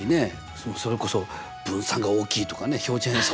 それこそ分散が大きいとかね標準偏差